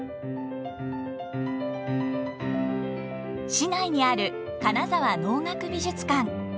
市内にある金沢能楽美術館。